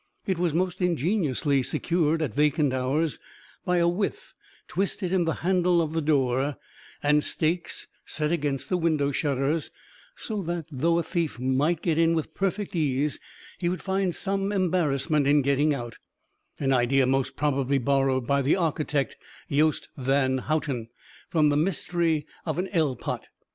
It was most ingeniously secured at vacant hours by a withe twisted in the handle of the door, and stakes set against the window shutters; so that, though a thief might get in with perfect case, he would find some embarrassment in getting out an idea most probably borrowed by the architect, Yost Van Houten, from the mystery of an ellpot.